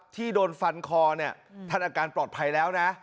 ที่โดนฟันคลอทันอาการปลอดภัยแล้วนะ